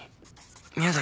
宮崎